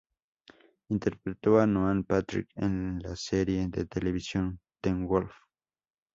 Interpretó a Noah Patrick en la serie de televisión "Teen Wolf".